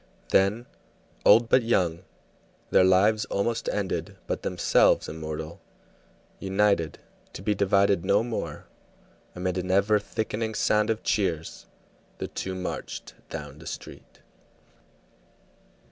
Then, old but young, their lives almost ended, but themselves immortal, united, to be divided no more, amid an ever thickening sound of cheers, the two marched down the street.